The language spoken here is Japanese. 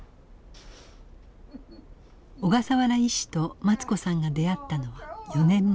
小笠原医師とマツ子さんが出会ったのは４年前。